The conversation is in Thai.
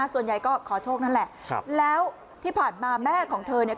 ส่วนใหญ่ก็ขอโชคนั่นแหละแล้วที่ผ่านมาแม่ของเธอเนี่ย